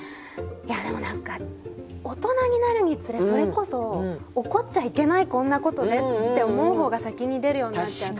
いやでも何か大人になるにつれそれこそ「怒っちゃいけないこんなことで」って思う方が先に出るようになっちゃって。